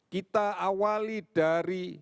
kita awali dari